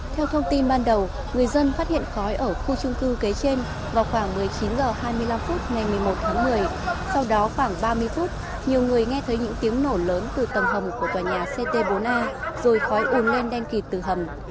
theo thông tin ban đầu người dân phát hiện khói ở khu trung cư kế trên vào khoảng một mươi chín h hai mươi năm phút ngày một mươi một tháng một mươi sau đó khoảng ba mươi phút nhiều người nghe thấy những tiếng nổ lớn từ tầng hầm của tòa nhà ct bốn a rồi khói um lên đen kịt từ hầm